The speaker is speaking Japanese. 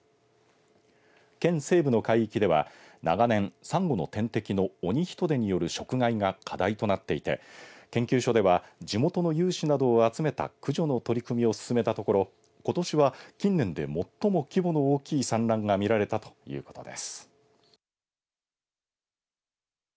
県西部の海域では長年、サンゴの天敵のオニヒトデによる食害が課題となっていて研究所では地元の有志などを集めた駆除の取り組みを進めたところことしは近年で最も規模の大きい産卵が見られたということです。